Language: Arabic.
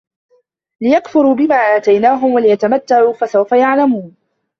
لِيَكفُروا بِما آتَيناهُم وَلِيَتَمَتَّعوا فَسَوفَ يَعلَمونَ